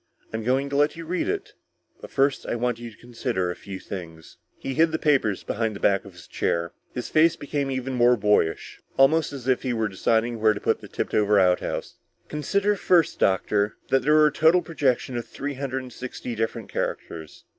I'm going to let you read it, but first I want you to consider a few things." He hid the papers behind the back of his chair; his face became even more boyish, almost as if he were deciding on where to put the tipped over outhouse. "Consider first, doctor, that there was a total projection of three hundred and sixty different characters.